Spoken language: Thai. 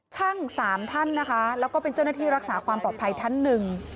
ช่างสามท่านนะคะแล้วก็เป็นเจ้าหน้าที่รักษาความปลอดภัยท่านหนึ่ง